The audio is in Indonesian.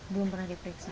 belum pernah diperiksa